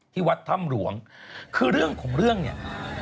ที่วัดถ้ำหลวงคือเรื่องของเรื่องเนี่ย